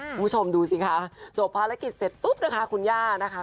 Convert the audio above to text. คุณผู้ชมดูสิคะจบภารกิจเสร็จปุ๊บนะคะคุณย่านะคะ